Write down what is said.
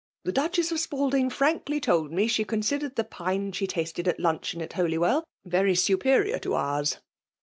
— ^Tbe I>):ichess of Spalding firankly told me, she ceu sidered the pine she tasted at luncheon at Holywell very superior to oui:s.